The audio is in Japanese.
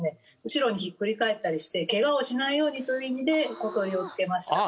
後ろにひっくり返ったりしてケガをしないようにという意味で小鳥を付けました。